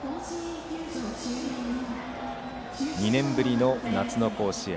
２年ぶりの夏の甲子園。